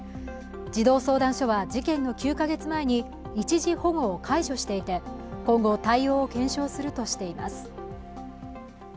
児童相談所は事件の９カ月前に一時保護を解除していて今後対応を検証するとしています。